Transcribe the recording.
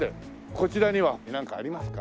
こちらにはなんかありますか？